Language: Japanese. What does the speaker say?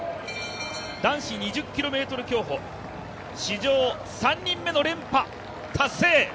男子２０ｋｍ競歩、史上３人目の連覇達成。